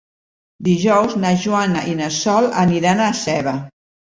Dijous na Joana i na Sol aniran a Seva.